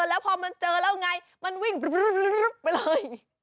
แล้วพอมันเจอแล้วไงมันวิ่งไปเลย